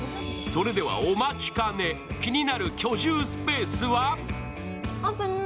それではお待ちかね、気になる居住スペースは？